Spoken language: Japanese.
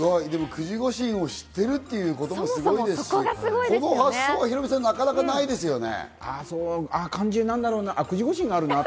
九字護身を知ってるっていう子ども、すごいですし、この発想はヒロミさん、なかなかないですよね？